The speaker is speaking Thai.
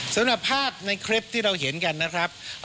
สำหรับภาพในคลิปที่เราเห็นกันนะครับ